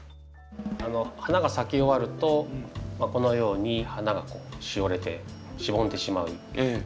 花が咲き終わるとこのように花がしおれてしぼんでしまう。